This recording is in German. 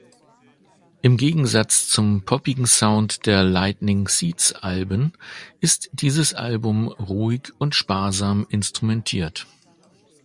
Im Gegensatz zum poppigen Sound der Lightning-Seeds-Alben ist dieses Album ruhig und sparsam instrumentiert.